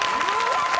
やった！